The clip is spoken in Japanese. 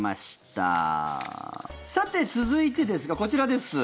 さて続いてですが、こちらです。